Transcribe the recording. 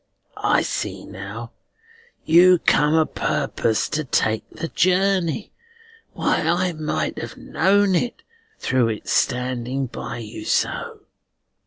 I see now. You come o' purpose to take the journey. Why, I might have known it, through its standing by you so."